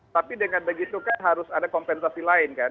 tapi dengan begitu kan harus ada kompensasi lain kan